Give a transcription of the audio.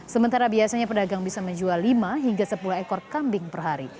sementara biasanya pedagang bisa menjual lima hingga sepuluh ekor kambing per hari